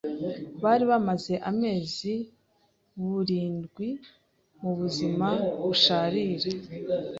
bari bamaze amezi buurindwi mu buzima busharira.